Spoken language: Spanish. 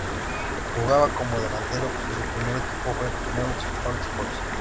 Jugaba como delantero y su primer equipo fue Newell's Old Boys.